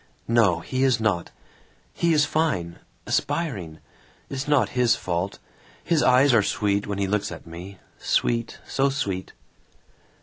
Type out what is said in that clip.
"No, he is not. He is fine. Aspiring. It's not his fault. His eyes are sweet when he looks at me. Sweet, so sweet."